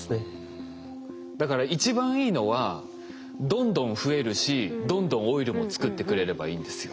だから一番いいのはどんどん増えるしどんどんオイルも作ってくれればいいんですよ。